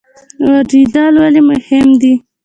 اوریدل ولې مهم دي؟